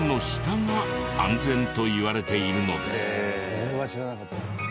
それは知らなかった。